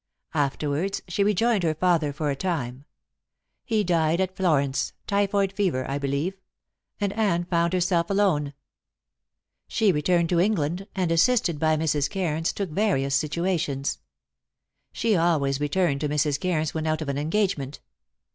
Afterwards she rejoined her father for a time. He died at Florence typhoid fever, I believe and Anne found herself alone. She returned to England, and assisted by Mrs. Cairns, took various situations. She always returned to Mrs. Cairns when out of an engagement.